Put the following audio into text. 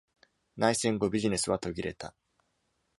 内戦後、ビジネスは途切れた。